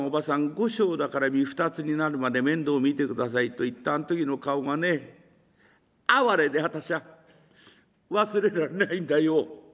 後生だから身二つになるまで面倒見てください』と言ったあん時の顔がね哀れで私は忘れられないんだよ」。